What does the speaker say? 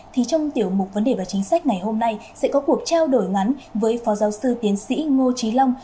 thì trong tiểu mục vấn đề và chính sách ngày hôm nay sẽ có cuộc trao đổi ngắn với phó giáo sư tiến sĩ ngô trí long